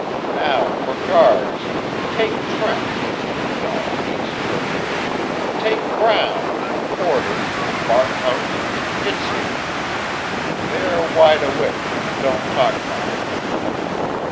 Now for guards, take Trent no, he's hurt. Take Brown and Porter and Barkhouse and Fitzhugh. They're wide awake, and don't talk much.